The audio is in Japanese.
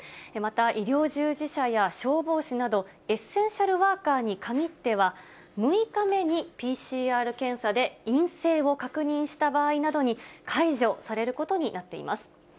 また、医療従事者や消防士など、エッセンシャルワーカーに限っては、６日目にＰＣＲ検査で陰性を確認した場合などに、解除されることになっています。